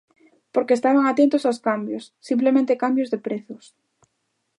Porque estaban atentos aos cambios, simplemente cambios de prezos.